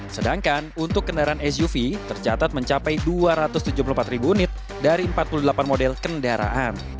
sedangkan untuk kendaraan suv tercatat mencapai dua ratus tujuh puluh empat ribu unit dari empat puluh delapan model kendaraan